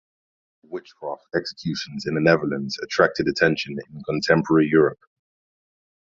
The lack of witchcraft executions in the Netherlands attracted attention in contemporary Europe.